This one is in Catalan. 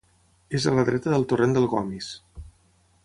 És a la dreta del torrent del Gomis.